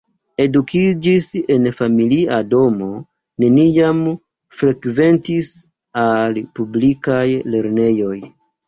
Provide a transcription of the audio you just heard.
Edukiĝis en familia domo, neniam frekventis al publikaj lernejoj.